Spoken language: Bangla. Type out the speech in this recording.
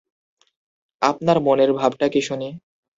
আপনার মনের ভাবটা কী শুনি।